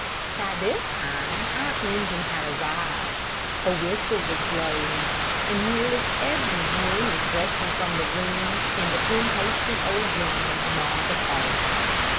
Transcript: By this time our engine had arrived. A whistle was blowing, and nearly every one was rushing from the room, the impatient old gentleman among the first.